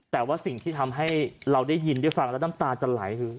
แต่ว่าสิ่งที่ทำให้เราได้ยินได้ฟังแล้วน้ำตาจะไหลคือ